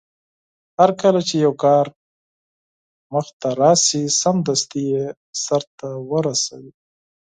هرکله چې يو کار مخې ته راشي سمدستي يې سرته ورسوي.